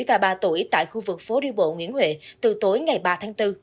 và ba tuổi tại khu vực phố đi bộ nguyễn huệ từ tối ngày ba tháng bốn